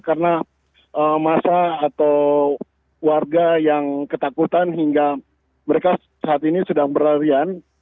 karena masa atau warga yang ketakutan hingga mereka saat ini sedang berlarian